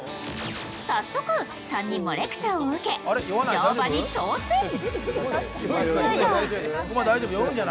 早速３人もレクチャーを受け、乗馬に挑戦。